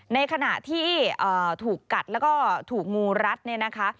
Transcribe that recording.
ในขณะที่ถูกกัดแล้วก็ถูกงูรัดเนี่ยนะคะ